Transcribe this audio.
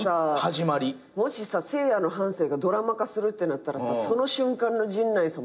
もしさせいやの半生がドラマ化するってなったらその瞬間の陣内さん